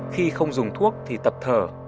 khi không dùng thuốc thì tập thở